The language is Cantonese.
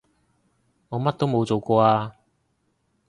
我乜都冇做過啊